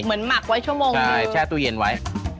เหมือนหมักไว้ชั่วโมงคือใช่แช่ตู้เย็นไว้